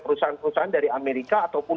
perusahaan perusahaan dari amerika ataupun